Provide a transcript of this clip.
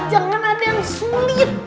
jangan ada yang sulit